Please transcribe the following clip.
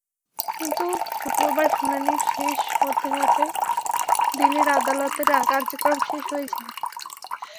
কিন্তু শুক্রবার শুনানি শেষ হতে হতে দিনের আদালতের কার্যক্রম শেষ হয়ে যায়।